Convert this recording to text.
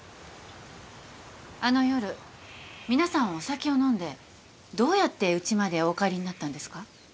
あの夜皆さんお酒を飲んでどうやってうちまでお帰りになったんですか？